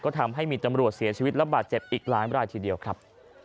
ก็ทำให้มีตำรวจเสียชีวิตและบาดเจ็บอีกหลายรายทีเดียวครับ